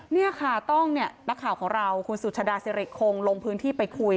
นี่ค่ะต้องเนี่ยนักข่าวของเราคุณสุชาดาสิริคงลงพื้นที่ไปคุย